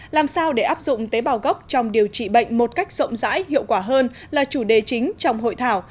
làm sao để áp dụng tế bào gốc trong điều trị bệnh một cách rộng rãi hiệu quả hơn là chủ đề chính trong hội thảo